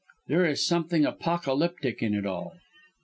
There is something apocalyptic in it all.